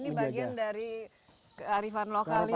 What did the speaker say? ini bagian dari kearifan lokal ya